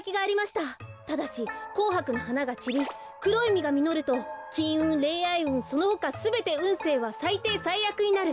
ただしこうはくの花がちりくろいみがみのるときんうんれんあいうんそのほかすべてうんせいはさいていさいあくになる。